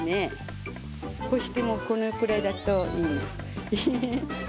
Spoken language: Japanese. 干してもこのくらいだといいの。